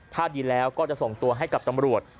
ถ้าดีแล้วก็จะส่งตัวให้กับตำรวจ